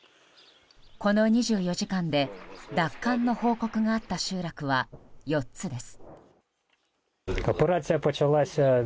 この２４時間で奪還の報告があった集落は４つです。